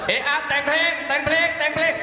อ่ะแต่งเพลงแต่งเพลงแต่งเพลง